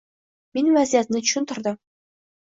Men vaziyatni tushuntirdim